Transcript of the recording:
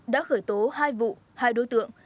đã khởi tố hai vụ hai đối tượng